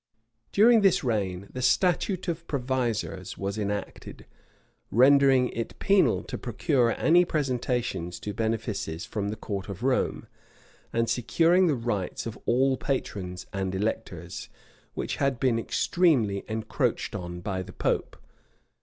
During this reign, the statute of provisors was enacted, rendering it penal to procure any presentations to benefices from the court of Rome, and securing the rights of all patrons and electors, which had been extremely encroached on by the pope.